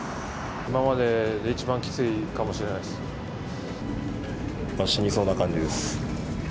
今までで一番きついかもしれ死にそうな感じです。